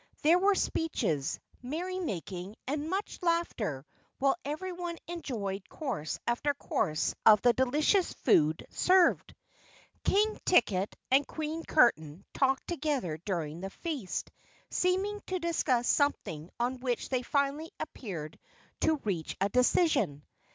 There were speeches, merrymaking and much laughter while everyone enjoyed course after course of the delicious food served. King Ticket and Queen Curtain talked together during the feast, seeming to discuss something on which they finally appeared to reach a decision.